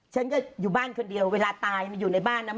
ฉันก็อยู่บ้านคนเดียวเวลาตายมันอยู่ในบ้านนะ